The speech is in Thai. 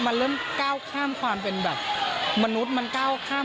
ผมก็สวยเหมือนกันฮะ